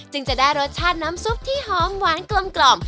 จะได้รสชาติน้ำซุปที่หอมหวานกลม